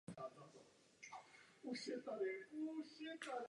Oxid uhelnatý se váže na redukovaný hemoglobin i jeho některé další formy.